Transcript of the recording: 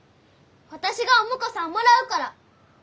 私がお婿さんもらうから。